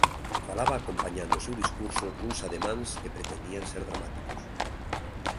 Falaba acompañando o seu discurso cuns ademáns que pretendían ser dramáticos.